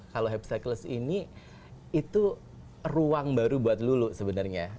kalau hype cycles ini itu ruang baru buat lulu sebenarnya